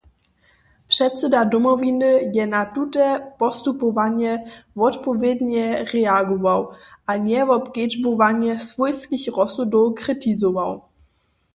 Předsyda Domowiny je na tute postupowanje wotpowědnje reagował a njewobkedźbowanje swójskich rozsudow kritizował.